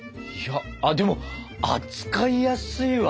あでも扱いやすいわ！